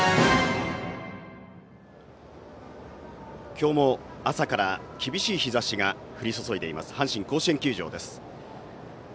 今日も朝から厳しい日ざしが降り注いでいます阪神甲子園球場です。